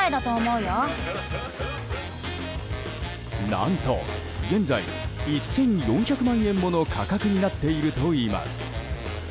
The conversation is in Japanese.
何と現在、１４００万円もの価格になっているといいます。